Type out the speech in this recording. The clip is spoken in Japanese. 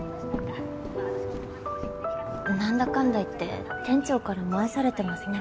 なんだかんだ言って店長からも愛されてますね